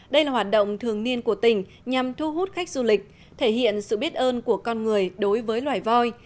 đây là hoạt động thường niên của tỉnh nhằm thu hút khách du lịch thể hiện sự biết ơn của con người đối với loài voi